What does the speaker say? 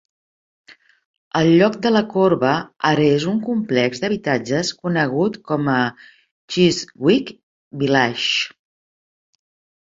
El lloc de la corba ara és un complex d'habitatges conegut com a Chiswick Village.